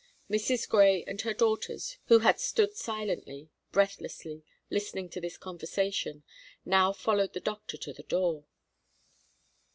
Mrs. Grey and her daughters, who had stood silently, breathlessly, listening to this conversation, now followed the doctor to the door.